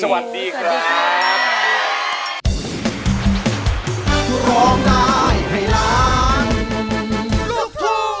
สวัสดีครับ